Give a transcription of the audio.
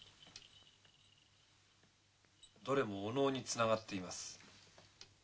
どれもお能につながっています。